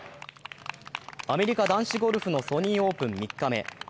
アメリカ男子ゴルフのソニーオープン３日目。